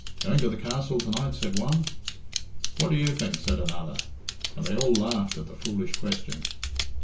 "Going to the Castle to night?" said one. "What do you think?" said another, and they all laughed at the foolish question.